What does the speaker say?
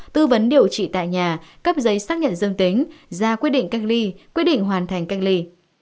tư vấn điều trị tại nhà cấp giấy xác nhận dương tính ra quyết định cách ly quyết định hoàn thành cách ly